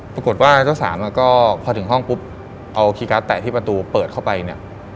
ปรากฏว่าเจ้าสามก็พอถึงห้องปุ๊บเอาคีย์การ์ดแตะที่ประตูเปิดเข้าไปเนี่ย